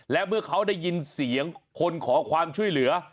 และเมื่อเขาได้ยินเสียงคนขอความช่วยเหลือ